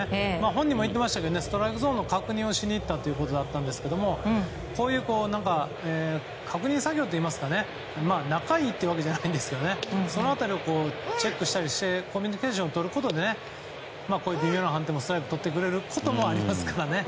本人も言っていましたがストライクゾーンの確認をしにいったということですが確認作業といいますか仲いいってわけじゃないですがその辺りをチェックしたりしてコミュニケーションとることで微妙な判定もストライクをとってくれることもありますからね。